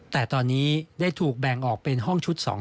แต่ตอนนี้ได้ถูกแบ่งออกเป็นห้องชุด๒๐